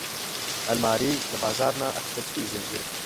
الماري له بازار نه اخیستل کېږي